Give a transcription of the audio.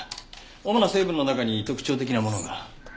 主な成分の中に特徴的なものが。